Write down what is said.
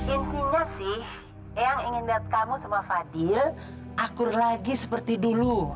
intinya sih yang ingin lihat kamu sama fadil akur lagi seperti dulu